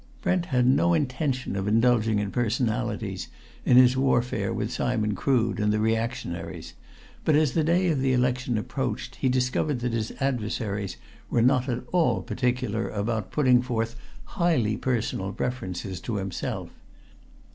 Brent had no intention of indulging in personalities in his warfare with Simon Crood and the reactionaries, but as the day of the election approached he discovered that his adversaries were not at all particular about putting forth highly personal references to himself.